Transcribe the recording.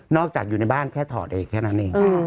จากอยู่ในบ้านแค่ถอดเองแค่นั้นเอง